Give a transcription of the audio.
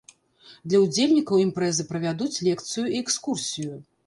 Для удзельнікаў імпрэзы правядуць лекцыю і экскурсію.